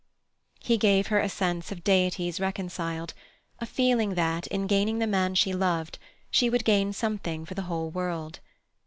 He gave her a sense of deities reconciled, a feeling that, in gaining the man she loved, she would gain something for the whole world.